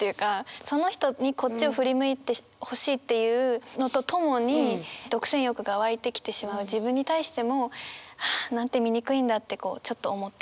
その人にこっちを振り向いてほしいっていうのとともに独占欲が湧いてきてしまう自分に対してもはあ何て醜いんだってこうちょっと思ってしまう。